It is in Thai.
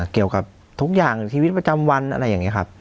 เกี่ยวกับทุกอย่างชีวิตประจำวันอะไรอย่างนี้ครับ